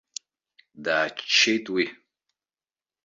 Дааччеит уи.